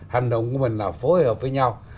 hành động của mình là phối hợp với nhau